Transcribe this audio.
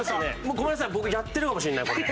ごめんなさい僕やってるかもしれないこれ。